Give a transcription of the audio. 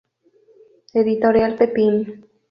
Editorial: Pepin.